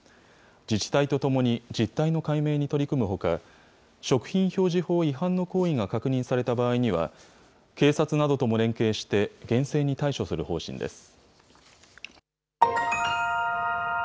自治体とともに、実態の解明に取り組むほか、食品表示法違反の行為が確認された場合には、警察などとも連携して厳正に対処する方針です。